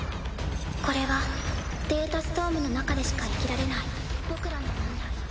これはデータストームの中でしか生きられない僕らの問題。